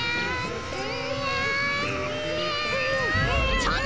ちょっと！